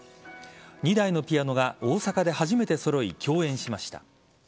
２台のピアノが大阪で初めて揃い共演しました。